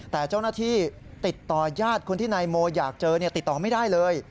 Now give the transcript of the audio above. แต่เจ้าหน้าที่ติดต่อยาดคนที่นายโมอยากเจอติดต่อไม่ได้เลย